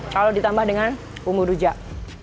kalau ditambah dengan bumbu rujak